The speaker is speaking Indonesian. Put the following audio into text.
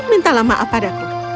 mintalah maaf padaku